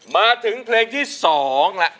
มาถึงเพลงที่๒แล้ว